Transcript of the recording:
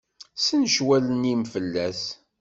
Ssencew allen-im fell-as!